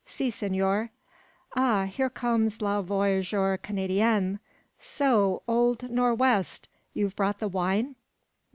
"Si, senor." "Ah! here comes le voyageur Canadien. So, old Nor' west! you've brought the wine?"